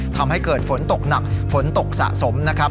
ทำให้เกิดฝนตกหนักฝนตกสะสมนะครับ